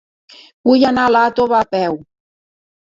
Vull anar a Iàtova a peu.